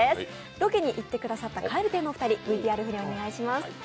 ロケに行ってくださった蛙亭のお二人ＶＴＲ振りお願いします。